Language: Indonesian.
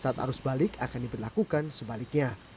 saat arus balik akan diberlakukan sebaliknya